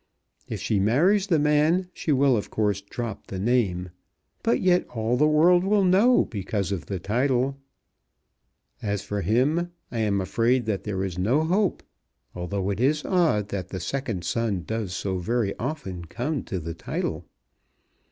If she marries the man she will of course drop the name; but yet all the world will know because of the title. As for him, I am afraid that there is no hope; although it is odd that the second son does so very often come to the title.